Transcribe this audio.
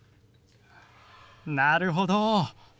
なるほど。